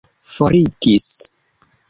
forigis